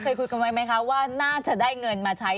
คุยกันไว้ไหมคะว่าน่าจะได้เงินมาใช้